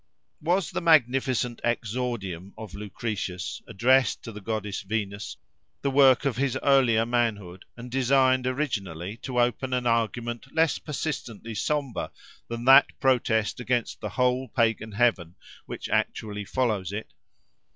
Was the magnificent exordium of Lucretius, addressed to the goddess Venus, the work of his earlier manhood, and designed originally to open an argument less persistently sombre than that protest against the whole pagan heaven which actually follows it?